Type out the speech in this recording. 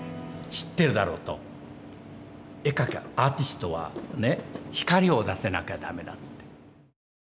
知ってるだろうと絵描きはアーティストは光を出せなきゃダメだって。